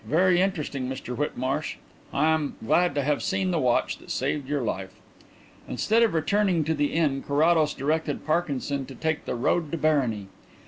Very interesting, Mr Whitmarsh. I am glad to have seen the watch that saved your life." Instead of returning to the inn Carrados directed Parkinson to take the road to Barony.